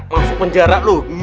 masuk penjara lu